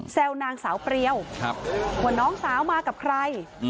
แซวนางสาวเปรียวว่าน้องสาวมากับใคร